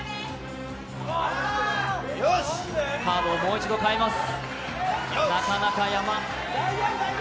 カードをもう一度かえます。